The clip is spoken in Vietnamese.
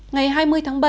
ngày hai mươi tháng bảy